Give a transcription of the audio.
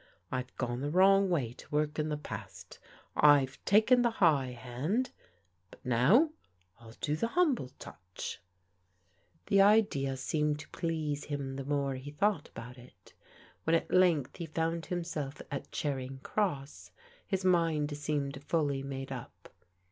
I've gone the wrong way to work in the past. I've taken the high hand, but now, I'll do the humble touch." The idea seemed to please him \iie tnot^ V^ ^c^a^gpX. 264 PRODIGAL DAU0HTEB3 about it. When, at length, he found himself at Charing Cross his mind seemed fully made up.